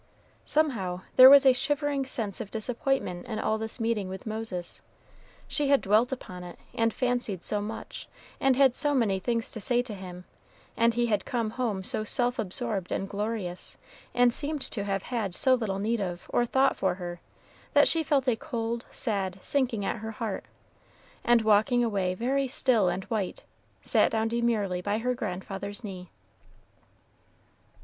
Somehow, there was a shivering sense of disappointment in all this meeting with Moses. She had dwelt upon it, and fancied so much, and had so many things to say to him; and he had come home so self absorbed and glorious, and seemed to have had so little need of or thought for her, that she felt a cold, sad sinking at her heart; and walking away very still and white, sat down demurely by her grandfather's knee.